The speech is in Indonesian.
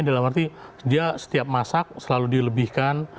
dalam arti dia setiap masak selalu dilebihkan